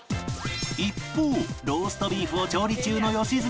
一方ローストビーフを調理中の良純